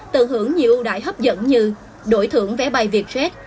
tự hưởng nhiều ưu đại hấp dẫn như đổi thưởng vé bay vietjet